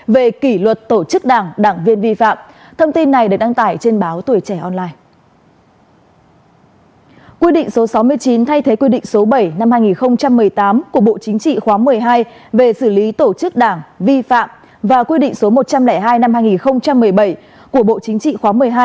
về xử lý tổ chức đảng vi phạm và quy định số một trăm linh hai năm hai nghìn một mươi bảy của bộ chính trị khóa một mươi hai